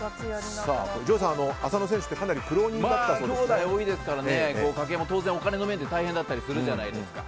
ＪＯＹさん、浅野選手ってきょうだいが多いですから家計も当然、お金の面で大変だったりするじゃないですか。